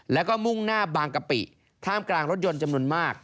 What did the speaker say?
แล้วก็มุ่งหน้าบางกะปิท่ามกลางรถยนต์จำนวนมาก